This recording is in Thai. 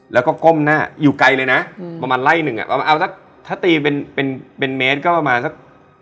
แล้วก็ก้มหน้าอยู่ไกลเลยนะอืมประมาณไล่หนึ่งอ่ะประมาณเอาสักถ้าตีเป็นเป็นเมตรก็ประมาณสัก